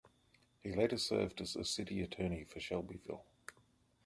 He later served as a city attorney for Shelbyville.